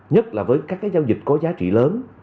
nhất là với các giao dịch có giá trị lớn